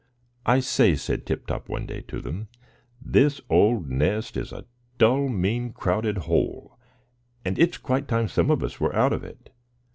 "I say," said Tip Top one day to them, "this old nest is a dull, mean, crowded hole, and it's quite time some of us were out of it.